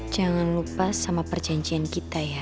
jangan lupa sama perjanjian kita ya